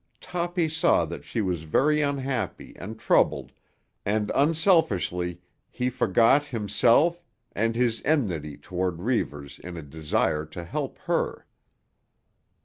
Toppy saw that she was very unhappy and troubled, and unselfishly he forgot himself and his enmity toward Reivers in a desire to help her.